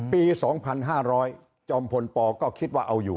ปี๒๕๐๐จอมพลปก็คิดว่าเอาอยู่